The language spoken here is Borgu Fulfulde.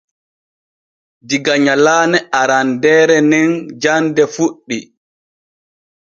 Diga nyalaane arandeere nin jande fuɗɗi.